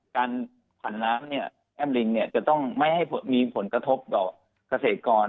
การผันน้ำเนี่ยแอ้มลิงเนี่ยจะต้องไม่ให้มีผลกระทบต่อเกษตรกร